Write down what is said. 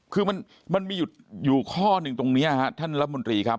คือมันมีอยู่ข้อหนึ่งตรงนี้ฮะท่านรัฐมนตรีครับ